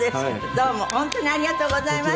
どうも本当にありがとうございました。